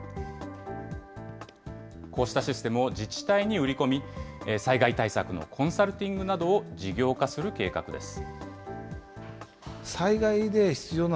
こうしたシステムを自治体に売り込み、災害対策のコンサルティングなどを事業化する計画です。